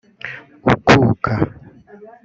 ukuka